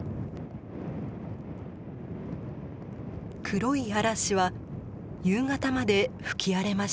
黒い嵐は夕方まで吹き荒れました。